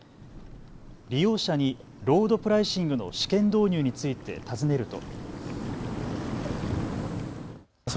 利用者にロードプライシングの試験導入について尋ねると。